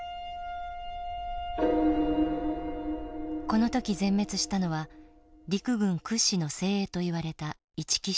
この時全滅したのは陸軍屈指の精鋭といわれた一木支隊。